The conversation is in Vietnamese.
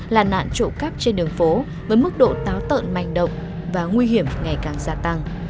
là nạn trộm cắp trên đường phố với mức độ táo tợn manh động và nguy hiểm ngày càng gia tăng